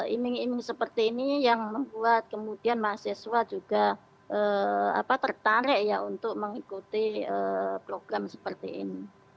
iming iming seperti ini yang membuat kemudian mahasiswa juga tertarik ya untuk mengikuti program seperti ini